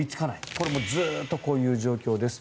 これもずっとこういう状況です。